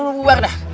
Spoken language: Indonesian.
lu buang dah